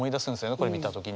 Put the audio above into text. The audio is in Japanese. これ見た時に。